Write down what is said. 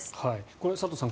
これ、佐藤さん